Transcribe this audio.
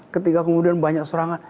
ketika kemudian banyak serangan